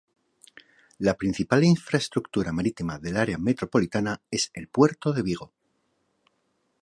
La principal infraestructura marítima del área metropolitana es el Puerto de Vigo.